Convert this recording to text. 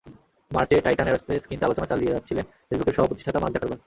মার্চে Titan Aerospace কিনতে আলোচনা চালিয়ে যাচ্ছিলেন ফেসবুকের সহ-প্রতিষ্ঠাতা মার্ক জাকারবার্গ।